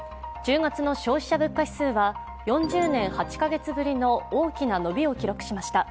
１０月の消費者物価指数は４０年８か月ぶりの大きな伸びを記録しました。